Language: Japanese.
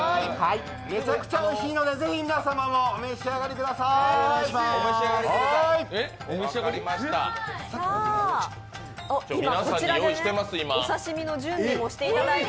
めちゃくちゃおいしいので、ぜひ皆様もお召し上がりくださーい。